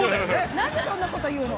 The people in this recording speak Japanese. なんでそんなこと言うの？